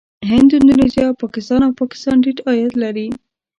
هند، اندونیزیا، پاکستان او افغانستان ټيټ عاید لري.